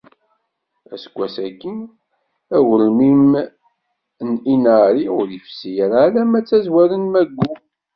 Aseggas-ayi agelmim n Inari ur ifessi ara alamma d tazwara n mayyu.